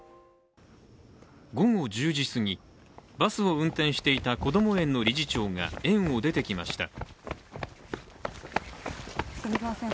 午後１０時すぎ、バスを運転していたこども園の理事長が園を出てきました。